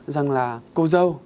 rằng là cô dâu